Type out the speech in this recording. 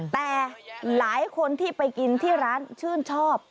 แต่หลายคนที่ไปกินที่ร้านชื่นชอบ